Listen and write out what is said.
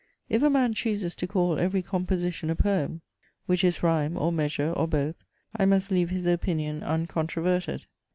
If a man chooses to call every composition a poem, which is rhyme, or measure, or both, I must leave his opinion uncontroverted.